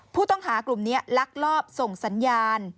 ผู้ต้องหากลุ่มนี้ลักลอบส่งสัญญาณ